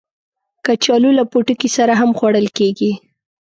کچالو له پوټکي سره هم خوړل کېږي